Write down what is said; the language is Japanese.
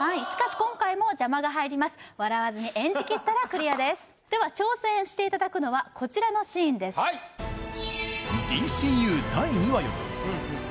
しかし今回も邪魔が入ります笑わずに演じきったらクリアですでは挑戦していただくのはこちらのシーンですより